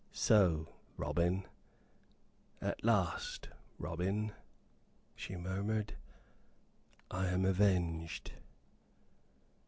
"So, Robin at last, Robin," she murmured, "I am avenged."